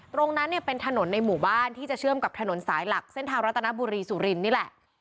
ตรงนั้นเนี่ยเป็นถนนในหมู่บ้านที่จะเชื่อมกับถนนสายหลักเส้นทางรัตนบุรีสุรินนี่แหละ